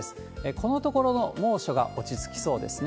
このところの猛暑が落ち着きそうですね。